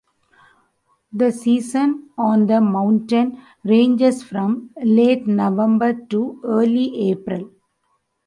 The season on the mountain ranges from late November to early April.